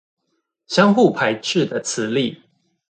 相互排斥的磁力